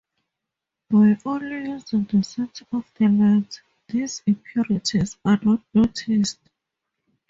By only using the center of the lens, these impurities are not noticed.